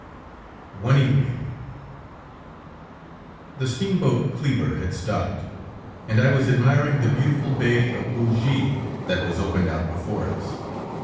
ONE EVENING The steamboat Kleber had stopped, and I was admiring the beautiful bay of Bougie, that was opened out before us.